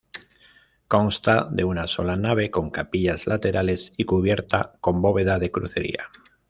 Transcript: Consta de una sola nave con capillas laterales y cubierta con bóveda de crucería.